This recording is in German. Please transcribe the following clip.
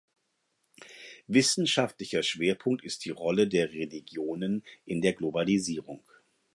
Wissenschaftlicher Schwerpunkt ist die Rolle der Religionen in der Globalisierung.